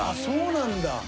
そうなんだ！